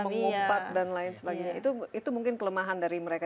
ya langsung mengupat dan lain sebagainya itu mungkin kelemahan dari mereka